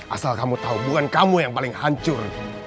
asal kamu tahu bukan kamu yang paling hancur